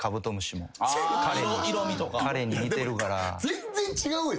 全然違うよ。